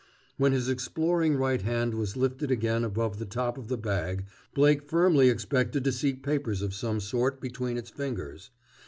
When his exploring right hand was lifted again above the top of the bag Blake firmly expected to see papers of some sort between its fingers.